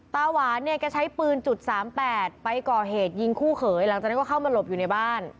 ตาหวานเนี่ยแกใช้ปืนจุด๓๘ไปก่อเหตุยิงคู่เขยหลังจากนั้นก็เข้ามาหลบอยู่ในบ้าน